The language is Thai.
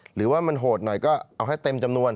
หรือว่ามันโหดหน่อยก็เอาให้เต็มจำนวน